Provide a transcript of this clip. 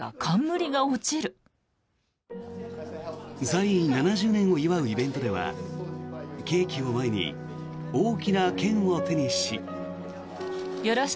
在位７０年を祝うイベントではケーキを前に大きな剣を手にし。